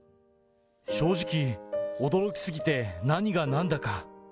正直、驚き過ぎて、何がなんだか。